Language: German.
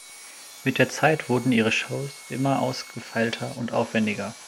Mit der Zeit wurden ihre Shows immer ausgefeilter und aufwändiger.